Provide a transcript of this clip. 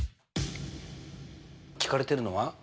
聞かれてるのは？